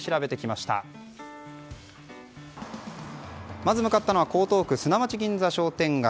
まず向かったのは江東区砂町銀座商店街。